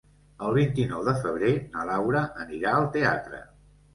El vint-i-nou de febrer na Laura anirà al teatre.